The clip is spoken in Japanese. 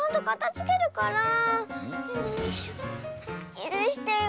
ゆるしてよ。